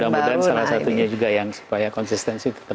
mudah mudahan salah satunya juga yang supaya konsistensi tetap